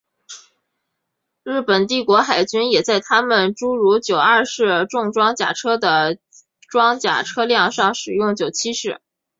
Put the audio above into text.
日本帝国海军也在他们诸如九二式重装甲车的装甲车辆上使用九七式。